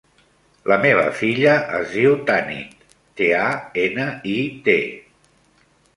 La meva filla es diu Tanit: te, a, ena, i, te.